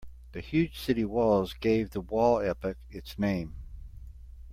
The huge city walls gave the wall epoch its name.